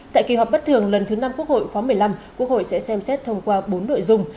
tại kỳ họp bất thường lần thứ năm quốc hội khóa một mươi năm quốc hội sẽ xem xét thông qua bốn nội dung